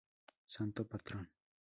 Santo patrón.